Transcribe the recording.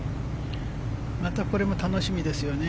またこれも楽しみですよね。